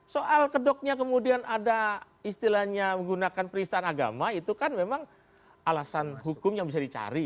soal kedoknya kemudian ada istilahnya menggunakan peristahan agama itu kan memang alasan hukum yang bisa dicari